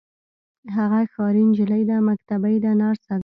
هغه ښاري نجلۍ ده مکتبۍ ده نرسه ده.